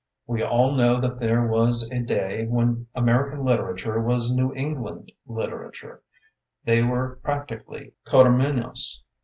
We all know that there was a day when American literature was New England literature; they were prac tically coterminous.